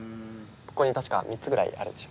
ここに確か３つぐらいあるでしょ。